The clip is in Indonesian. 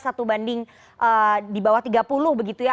satu banding di bawah tiga puluh begitu ya